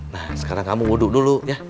nah sekarang kamu wudhu dulu ya